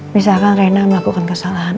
misalkan rena melakukan kesalahan